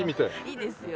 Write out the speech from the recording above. いいですよ。